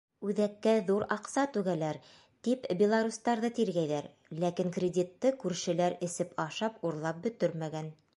Үҙәккә ҙур аҡса түгәләр, тип белорустарҙы тиргәйҙәр, ләкин кредитты күршеләр эсеп-ашап, урлап бөтөрмәгән.